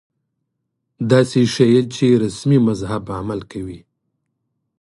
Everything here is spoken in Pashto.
داسې ښييل چې رسمي مذهب عمل کوي